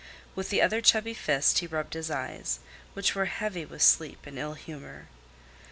With the other chubby fist he rubbed his eyes, which were heavy with sleep and ill humor.